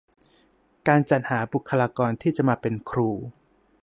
การจัดหาบุคคลากรที่จะมาเป็นครู